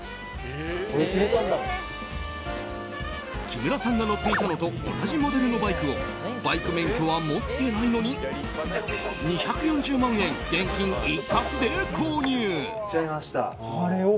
木村さんが乗っていたのと同じモデルのバイクをバイク免許は持ってないのに２４０万円、現金一括で購入。